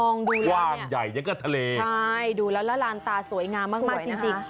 ความใหญ่ยังก็ทะเลใช่ดูแล้วล้านตาสวยงามมากจริง